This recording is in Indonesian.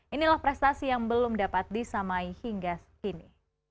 inilah prestasi yang belum dapat disamai hingga kini